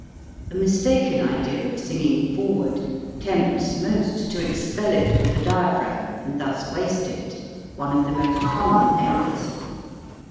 A mistaken idea of singing forward tempts most to expel it with the diaphragm and thus waste it one of the most common errors.